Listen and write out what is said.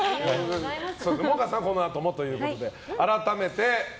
萌歌さんはこのあともということで。